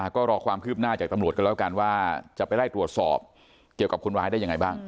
ก็รอความคืบหน้าจากตำรวจกันแล้วกันว่าจะไปไล่ตรวจสอบเกี่ยวกับคนร้ายได้ยังไงบ้าง